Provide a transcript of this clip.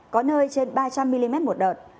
có nơi trên ba trăm linh mm một đợt